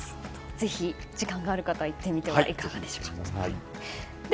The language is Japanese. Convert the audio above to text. ぜひ時間がある方は行ってみてはいかがでしょうか。